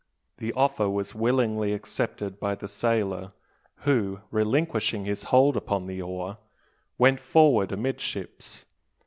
The offer was willingly accepted by the sailor, who, relinquishing his hold upon the oar, went forward amidships.